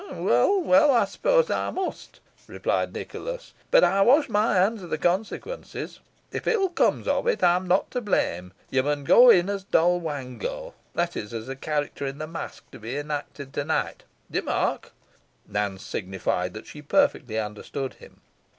"Well, well, I suppose I must," replied Nicholas, "but I wash my hands of the consequences. If ill comes of it, I am not to blame. You must go in as Doll Wango that is, as a character in the masque to be enacted to night d'ye mark?" Nance signified that she perfectly understood him.